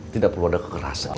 tidak perlu ada kekerasan